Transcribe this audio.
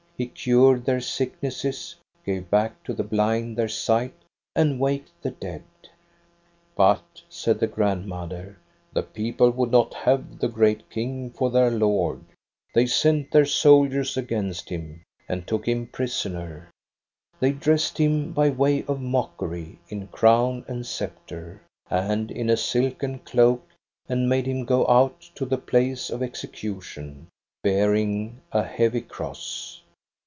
He cured their sicknesses, gave back to the blind their sight, and waked the dead. "' But, ' said the grandmother, * the people would not have the great King for their lord. EBBA DOHNA'S STORY. 223 "' They sent their soldiers against him, and took him prisoner ; they dressed him, by way of mockery, in crown and sceptre, and in a silken cloak, and made him go out to the place of execution, bearing a heavy cross.